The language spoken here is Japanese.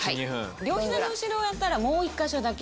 両ひざの後ろをやったらもう１か所だけ。